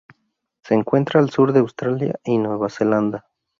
Se encuentra al sur de Australia y Nueva Zelanda.